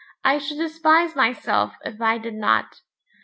I should despise myself if I did not.